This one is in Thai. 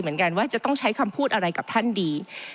เหมือนกันว่าจะต้องใช้คำพูดอะไรกับท่านดี